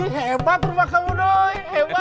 hebat rumah kamu doi